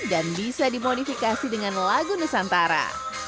dan bisa dimodifikasi dengan lagu nusantara